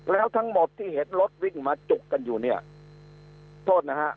แล้วทั้งหมดที่เห็นรถวิ่งมาจุกกันอยู่เนี่ยโทษนะฮะ